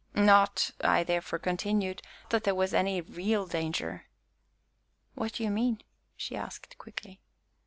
"Not," I therefore continued, "that there was any real danger." "What do you mean?" she asked quickly.